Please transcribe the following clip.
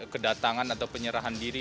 kedatangan atau penyerahan diri